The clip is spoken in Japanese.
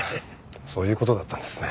そういう事だったんですね。